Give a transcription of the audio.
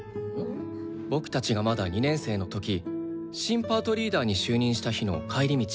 僕たちがまだ２年生の時新パートリーダーに就任した日の帰り道。